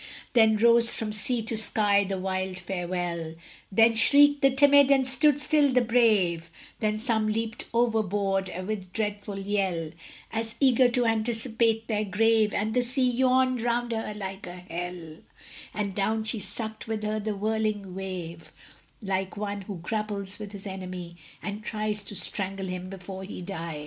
Then rose from sea to sky the wild farewell! Then shrieked the timid and stood still the brave; Then some leaped overboard with dreadful yell, As eager to anticipate their grave; And the sea yawned around her like a hell, And down she sucked with her the whirling wave, Like one who grapples with his enemy, And tries to strangle him before he die.